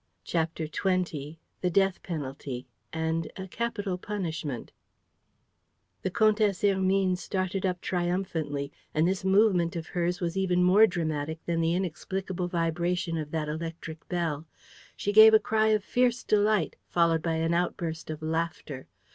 CHAPTER XX THE DEATH PENALTY AND A CAPITAL PUNISHMENT The Comtesse Hermine started up triumphantly; and this movement of hers was even more dramatic than the inexplicable vibration of that electric bell. She gave a cry of fierce delight, followed by an outburst of laughter.